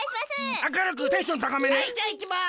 はいじゃあいきます！